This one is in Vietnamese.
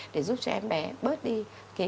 để giúp cho em bé bớt đi